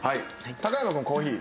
高山くんコーヒー？